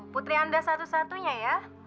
putri anda satu satunya ya